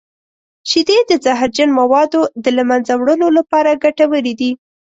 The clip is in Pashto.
شیدې د زهرجن موادو د له منځه وړلو لپاره ګټورې دي.